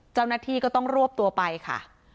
เจ้าหน้าที่ก็ต้องรวบตัวไปค่ะ